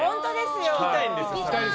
聴きたいんですよ。